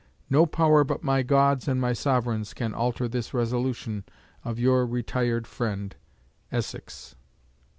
No power but my God's and my Sovereign's can alter this resolution of "Your retired friend, "ESSEX."